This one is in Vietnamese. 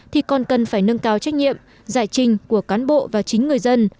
thì còn cần phải nâng cao trách nhiệm giải trình của cán bộ và chính người dân